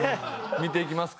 見ていきますか。